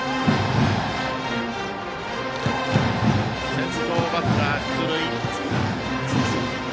先頭バッター、出塁。